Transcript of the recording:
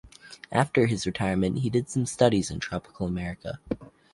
After his retirement, he did some studies in tropical America.